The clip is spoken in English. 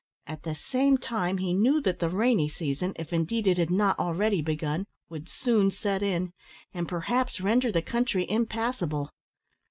At the same time, he knew that the rainy season, if indeed it had not already begun, would soon set in, and perhaps render the country impassable.